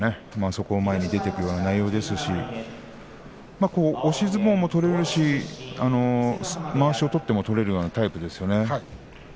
そこを前に出てくるような内容ですし押し相撲も取れるしまわしを取っても取れるようなタイプですよね。